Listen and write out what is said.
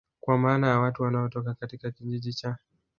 kwa maana ya Watu wanaotoka katika Kijiji cha